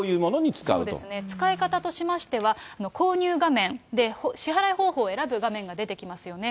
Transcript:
使い方としましては、購入画面で支払い方法を選ぶ画面が出てきますよね。